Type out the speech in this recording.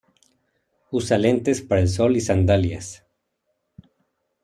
Usa lentes para el sol y sandalias.